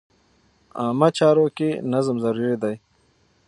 عامه چارو کې نظم ضروري دی.